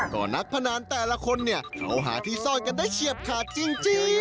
ก็นักพนันแต่ละคนเนี่ยเขาหาที่ซ่อนกันได้เฉียบขาดจริง